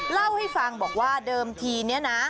เล่าให้ฟังบอกว่าเดิมทีเนี่ยนะ